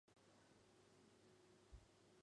马修的孪生哥哥。